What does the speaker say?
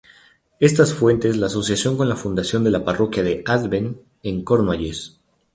Estas fuentes la asocian con la fundación de la parroquia de Advent en Cornualles.